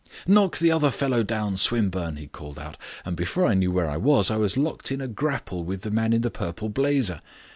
"Knock the other fellow down, Swinburne," he called out, and before I knew where I was I was locked in a grapple with the man in the purple blazer.